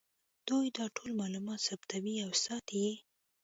دوی دا ټول معلومات ثبتوي او ساتي یې